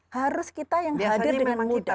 harus kita yang hadir dengan mudah